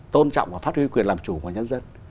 tôn trọng và phát huy quyền làm chủ của nhân dân